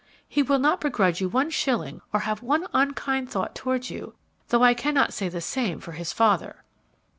He will not begrudge you one shilling or have one unkind thought towards you, though I cannot say the same for his father."